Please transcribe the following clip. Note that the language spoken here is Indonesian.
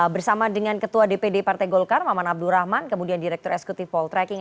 bersama dengan ketua dpd partai golkar maman abdurrahman kemudian direktur eksekutif poltreking